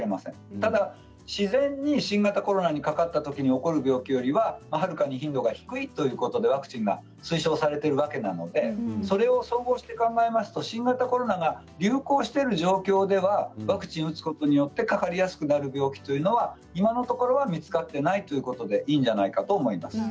ただ自然に新型コロナにかかったときに起こる病気よりははるかに頻度が低いということでワクチンが推奨されているわけなのでそれを想像して考えますと新型コロナが流行している状況ではワクチンを打つことによってかかりやすくなる病気というのは今のところは見つかっていないということでいいんじゃないかと思います。